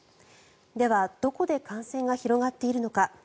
ではどこで感染が広がっているのか。